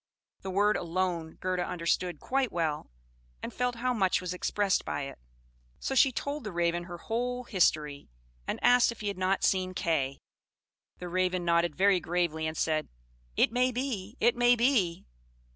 The word "alone" Gerda understood quite well, and felt how much was expressed by it; so she told the Raven her whole history, and asked if he had not seen Kay. The Raven nodded very gravely, and said, "It may be it may be!"